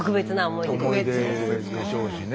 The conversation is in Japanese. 思い出でしょうしね。